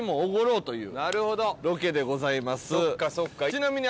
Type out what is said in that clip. ちなみに。